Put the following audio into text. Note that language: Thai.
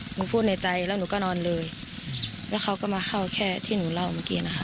หนูพูดในใจแล้วหนูก็นอนเลยแล้วเขาก็มาเข้าแค่ที่หนูเล่าเมื่อกี้นะคะ